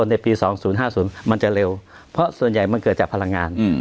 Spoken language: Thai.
ในปี๒๐๕๐มันจะเร็วเพราะส่วนใหญ่มันเกิดจากพลังงาน